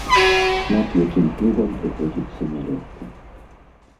Шмат якім клубам прыходзіцца нялёгка.